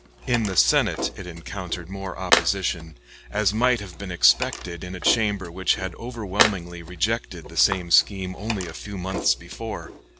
In the Senate it encountered more opposition, as might have been expected in a chamber which had overwhelmingly rejected the same scheme only a few months before.